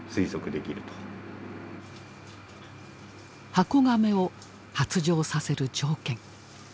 ハコガメを発情させる条件。